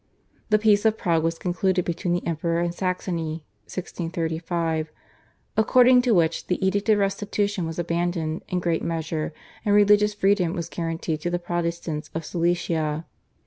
The Peace of Prague was concluded between the Emperor and Saxony (1635), according to which the Edict of Restitution was abandoned in great measure, and religious freedom was guaranteed to the Protestants of Silesia.